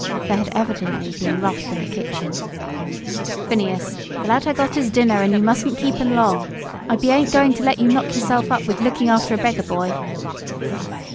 There had evidently been wrath in the kitchen. "Phineas, the lad ha' got his dinner, and you mustn't keep 'un long. I bean't going to let you knock yourself up with looking after a beggar boy."